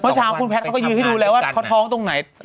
เช้าคุณแพทย์เขาก็ยืนให้ดูแล้วว่าเขาท้องตรงไหน